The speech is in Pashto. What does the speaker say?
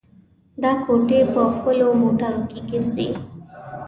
دا کوټې په خپلو موټرو کې ګرځوي.